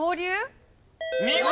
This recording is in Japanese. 見事！